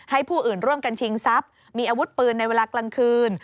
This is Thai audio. ผู้อื่นร่วมกันชิงทรัพย์มีอาวุธปืนในเวลากลางคืน